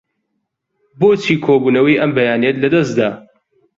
بۆچی کۆبوونەوەی ئەم بەیانییەت لەدەست دا؟